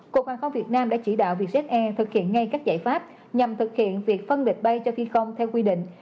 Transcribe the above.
cục hàng không việt nam đã chỉ đạo vietjet air thực hiện ngay các giải pháp nhằm thực hiện việc phân biệt bay cho phi công theo quy định